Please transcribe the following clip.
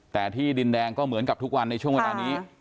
แต่ที่ดินแดงก็เหมือนกับทุกวันในช่วงเวลานี้